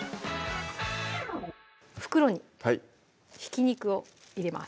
袋にひき肉を入れます